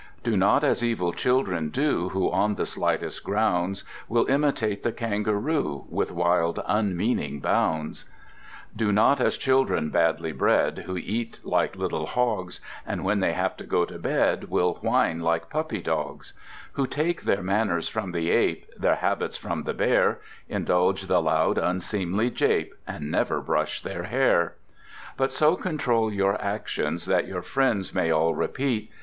Do not as evil children do, Who on the slightest grounds Will imitate the Kangaroo, With wild unmeaning bounds: Do not as children badly bred, Who eat like little Hogs, And when they have to go to bed Will whine like Puppy Dogs: Who take their manners from the Ape, Their habits from the Bear, Indulge the loud unseemly jape, And never brush their hair. But so control your actions that Your friends may all repeat.